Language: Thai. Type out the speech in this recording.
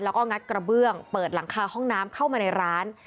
แล้วก็งัดกระเบื้องเปิดหลังคาห้องน้ำเข้ามาในร้าน